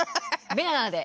ベナナで。